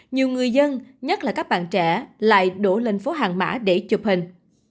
nhiều người dân nhất là các bạn trẻ lại đổ lên phố hàng mã để chụp hình